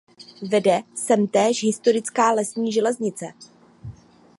Vede sem též historická lesní železnice.